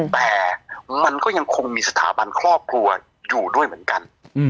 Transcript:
แต่มันก็ยังคงมีสถาบันครอบครัวอยู่ด้วยเหมือนกัน